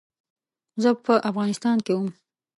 زه په افغانستان کې وم.